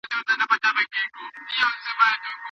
پرمختيا د ټولني په جوړښت کي بدلون راولي.